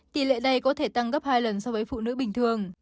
tỷ lệ này có thể tăng gấp hai lần so với phụ nữ bình thường